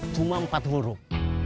cuma empat huruf